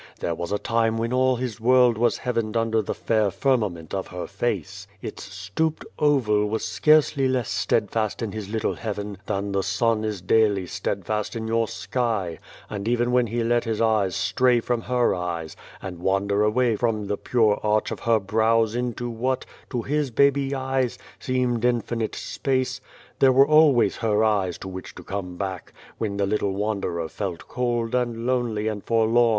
There was a time when all his world was heavened under the fair firmament of her face. Its stooped oval was scarcely less steadfast in his little heaven than the sun is daily steadfast in your sky, and even when he let his eyes stray from her eyes, and wander away from the pure arch of her brows into what, to his baby eyes, seemed infinite space there were always her eyes to which to come back, when the little wanderer felt cold and lonely and forlorn.